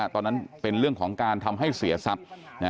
ตอนนั้นเป็นเรื่องของการทำให้เสียทรัพย์